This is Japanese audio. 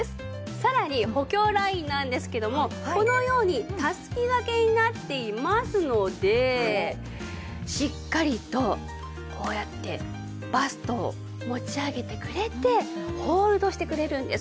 さらに補強ラインなんですけどもこのようにたすき掛けになっていますのでしっかりとこうやってバストを持ち上げてくれてホールドしてくれるんです。